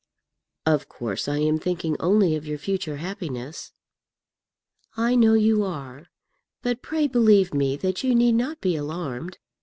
"Of course I am thinking only of your future happiness." "I know you are; but pray believe me that you need not be alarmed.